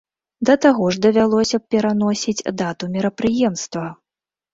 Да таго ж давялося б пераносіць дату мерапрыемства.